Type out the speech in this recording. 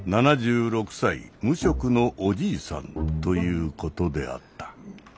７６歳無職のおじいさんということであった。